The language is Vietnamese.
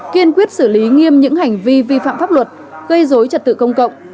kiên quyết xử lý nghiêm những hành vi vi phạm pháp luật gây dối trật tự công cộng